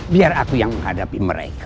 biar aku yang menghadapi mereka